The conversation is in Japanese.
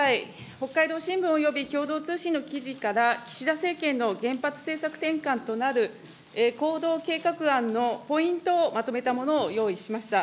北海道新聞および共同通信の岸田政権の原発政策転換となる、行動計画案のポイントをまとめたものを用意しました。